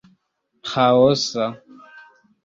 ĥaosa